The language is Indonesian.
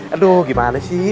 aduh gimana sih